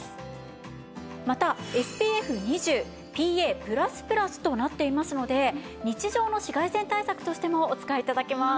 またＳＰＦ２０ＰＡ＋＋となっていますので日常の紫外線対策としてもお使い頂けます。